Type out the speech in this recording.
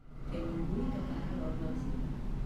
Que ningú li tocara l'hort d'Alzira.